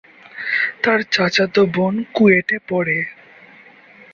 তার চাচাতো বোন কুয়েটে পড়ে।